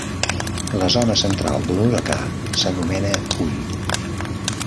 La zona central d'un huracà s'anomena ull